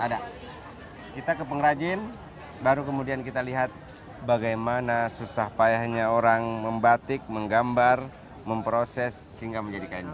ada kita ke pengrajin baru kemudian kita lihat bagaimana susah payahnya orang membatik menggambar memproses sehingga menjadi kain